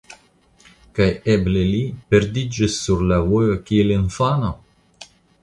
Kaj eble li perdiĝis sur la vojo kiel infano?